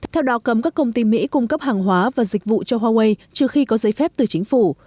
theo đó cấm các công ty mỹ cung cấp hàng hóa và dịch vụ cho huawei trừ khi có giấy phép từ chính phủ